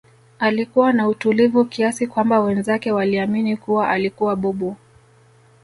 alikuwa na utulivu kiasi kwamba wenzake waliamini kuwa alikuwa bubu